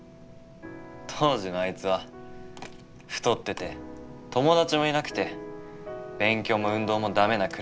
当時のあいつは太ってて友達もいなくて勉強も運動もダメな暗いやつで。